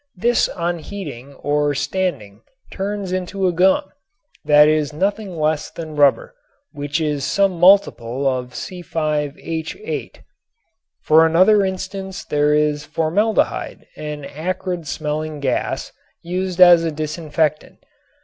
This on heating or standing turns into a gum, that is nothing less than rubber, which is some multiple of C_H_. For another instance there is formaldehyde, an acrid smelling gas, used as a disinfectant.